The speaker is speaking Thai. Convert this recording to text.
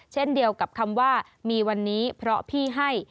เช่นเดียวกับคำว่ามีวันนี้เพราะพี่ให้